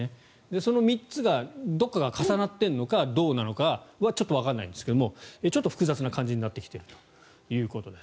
その３つがどこかが重なっているのかどうなのかはちょっとわからないんですが複雑な感じになってきているということです。